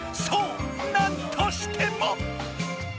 そうなんとしても。